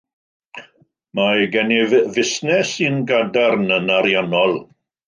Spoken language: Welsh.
Mae gennyf fusnes sy'n gadarn yn ariannol.